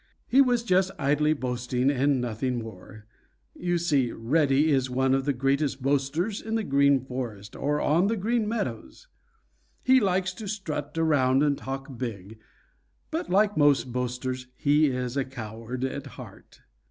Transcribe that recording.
He was just idly boasting and nothing more. You see, Reddy is one of the greatest boasters in the Green Forest or on the Green Meadows. He likes to strut around and talk big. But like most boasters, he is a coward at heart.